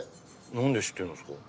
なんで知ってんですか。